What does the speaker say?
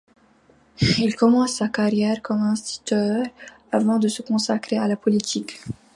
Il commence sa carrière comme instituteur avant de se consacrer à la politique.